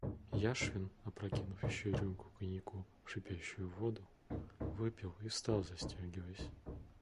Яшвин, опрокинув еще рюмку коньяку в шипящую воду, выпил и встал, застегиваясь.